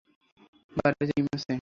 বাড়িতে ডিম আছে?